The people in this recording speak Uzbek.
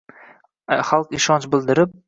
Xalq ishonch bildirib